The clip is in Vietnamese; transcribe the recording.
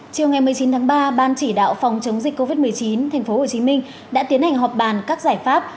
chiều ngày một mươi chín tháng ba ban chỉ đạo phòng chống dịch covid một mươi chín tp hcm đã tiến hành họp bàn các giải pháp